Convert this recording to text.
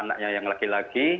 anaknya yang laki laki